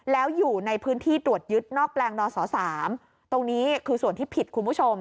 แล้วอยู่ในพื้นที่ตรวจยึดนอกแปลงนศ๓ตรงนี้คือส่วนที่ผิดคุณผู้ชม